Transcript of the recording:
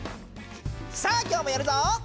さあ今日もやるぞ！